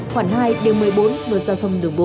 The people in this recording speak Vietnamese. khoảng hai điều một mươi bốn luật giao thông đường bộ